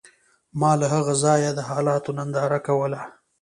ما له هغه ځایه د حالاتو ننداره کوله